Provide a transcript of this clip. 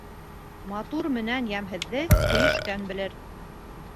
Матур менән йәмһеҙҙе һөйөшкән белер.